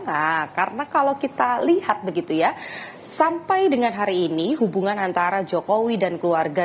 nah karena kalau kita lihat begitu ya sampai dengan hari ini hubungan antara jokowi dan keluarga